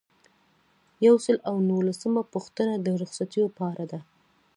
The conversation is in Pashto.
یو سل او نولسمه پوښتنه د رخصتیو په اړه ده.